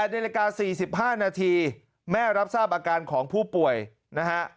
ในรายการ๔๕นาทีแม่รับทราบอาการของผู้ป่วยนะฮะ